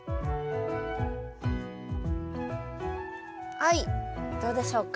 はいどうでしょうか？